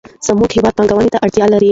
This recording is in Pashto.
زموږ هېواد پانګونې ته اړتیا لري.